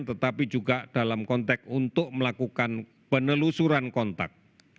tetapi juga dalam konteks untuk melakukan penelusuran kontak